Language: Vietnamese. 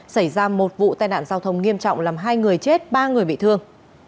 xảy ra một vụ tai nạn giao thông nghiêm trọng làm hai người chết ba người bị thương